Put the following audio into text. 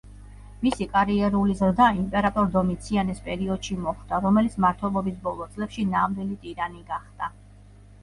მისი კარიერული ზრდა იმპერატორ დომიციანეს პერიოდში მოხდა, რომელიც მმართველობის ბოლო წლებში ნამდვილი ტირანი გახდა.